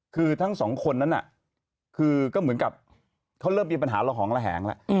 คือทั้งสองคนนั้นน่ะคือก็เหมือนกับเขาเริ่มมีปัญหาระหองระแหงแล้ว